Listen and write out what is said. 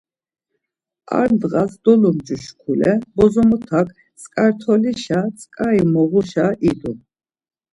Ar ndğas dolumcu şkule bozomotak tzǩartolişa tzǩari moğuşa idu.